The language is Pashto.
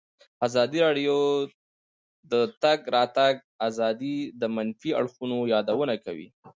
ازادي راډیو د د تګ راتګ ازادي د منفي اړخونو یادونه کړې.